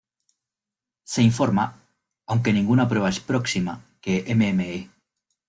Se informa, aunque ninguna prueba es próxima, que Mme.